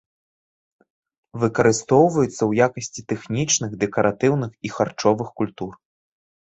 Выкарыстоўваюцца ў якасці тэхнічных, дэкаратыўных і харчовых культур.